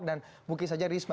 dan mungkin saja burisma